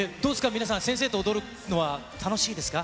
皆さん、先生と踊るのは楽しいですか？